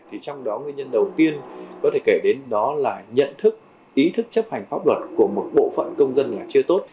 thì trong đó nguyên nhân đầu tiên có thể kể đến đó là nhận thức ý thức chấp hành pháp luật của một bộ phận công dân là chưa tốt